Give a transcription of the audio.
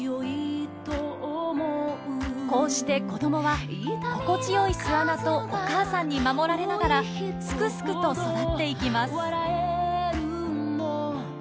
こうして子どもは心地よい巣穴とお母さんに守られながらすくすくと育っていきます。